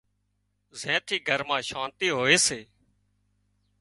زين ٿِي گھر مان شانتي هوئي سي